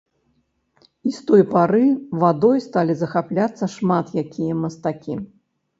І з той пары вадой сталі захапляцца шмат якія мастакі.